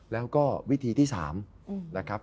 แล้วก็วิธีที่๓นะครับ